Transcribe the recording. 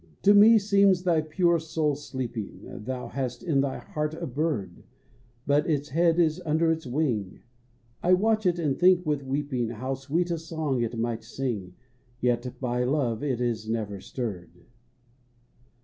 To me seems thy pure soul sleeping. Thou hast in thy heart a bird, But its head is under its wing. I watch it and think with weeping How sweet a song it might sing; Yet by love it is never stirred.